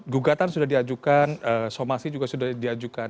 gugatan sudah diajukan somasi juga sudah diajukan